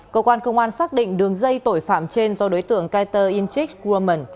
cơ quan công an xác định đường dây tội phạm trên do đối tượng kajter inchik grumman